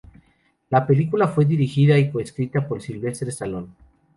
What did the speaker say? La película fue dirigida y co-escrita por Sylvester Stallone.